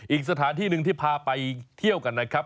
อีกสถานที่หนึ่งที่พาไปเที่ยวกันนะครับ